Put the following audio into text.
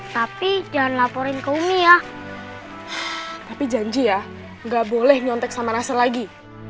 tapi jangan laporin ke umi ya tapi janji ya nggak boleh nyontek sama nasir lagi